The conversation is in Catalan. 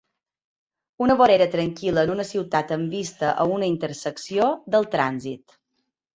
Una vorera tranquil·la en una ciutat amb vista a una intersecció del trànsit.